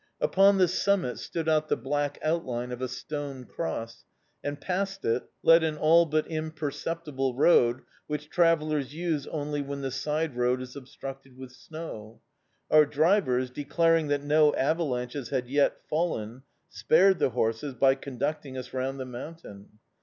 Upon the summit stood out the black outline of a stone cross, and past it led an all but imperceptible road which travellers use only when the side road is obstructed with snow. Our drivers, declaring that no avalanches had yet fallen, spared the horses by conducting us round the mountain.